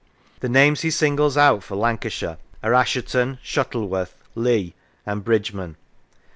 The names he singles out for Lancashire are Assheton, Shuttleworth, Leigh and Bridgeman.